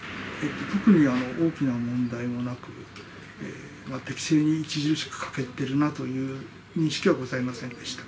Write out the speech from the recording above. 特に大きな問題もなく、適性に著しく欠けてるなという認識はございませんでした。